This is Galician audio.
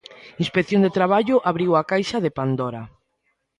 Inspección de Traballo abriu a caixa de Pandora.